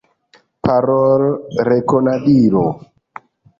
Parolrekonadilo.